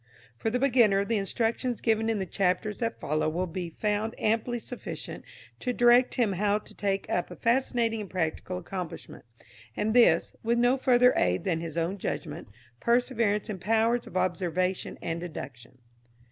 For the beginner the instructions given in the chapters that follow will be found amply sufficient to direct him how to take up a fascinating and practical accomplishment, and this, with no further aid than his own judgment, perseverance and powers of observation and deduction.